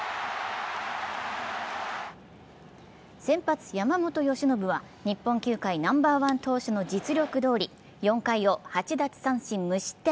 先発・山本由伸は日本球界ナンバーワン投手の実力どおり４回を８奪三振無失点。